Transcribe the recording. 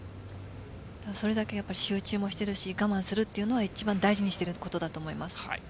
それだけ集中もしているし我慢するというのは一番大事にしていることだと思います。